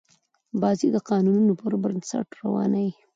بازي د قانونونو پر بنسټ روانه يي.